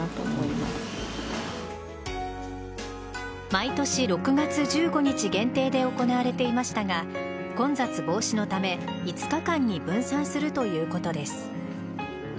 毎年６月１５日限定で行われていましたが混雑防止のため５日間に分散するということです。